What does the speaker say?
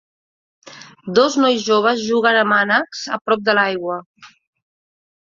Dos nois joves juguen amb ànecs a prop de l'aigua.